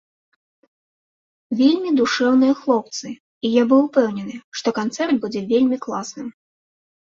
Вельмі душэўныя хлопцы, і я быў упэўнены, што канцэрт будзе вельмі класным.